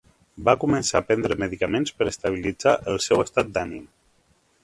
Va començar a prendre medicaments per estabilitzar el seu estat d'ànim.